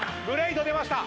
出ました！